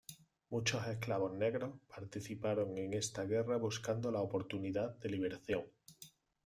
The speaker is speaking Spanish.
Muchos esclavos negros participaron en esta guerra buscando la oportunidad de liberación.